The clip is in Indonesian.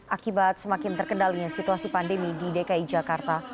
akibat semakin terkendalinya situasi pandemi di dki jakarta